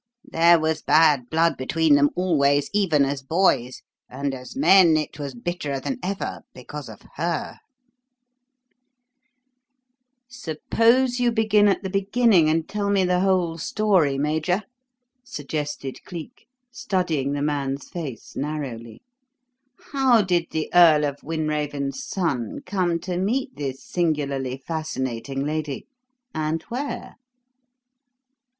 There was bad blood between them always even as boys and, as men, it was bitterer than ever because of her." "Suppose you begin at the beginning and tell me the whole story, Major," suggested Cleek, studying the man's face narrowly. "How did the Earl of Wynraven's son come to meet this singularly fascinating lady, and where?"